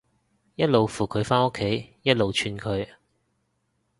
一路扶佢返屋企，一路串佢